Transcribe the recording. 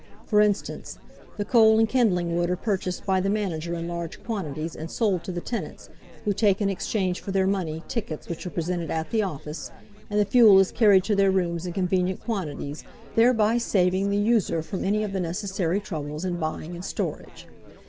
For instance, the coal and kindling wood are purchased by the manager in large quantities and sold to the tenants, who take in exchange for their money tickets which are presented at the office, and the fuel is carried to their rooms in convenient quantities, thereby saving the user from any of the necessary troubles in buying and storage.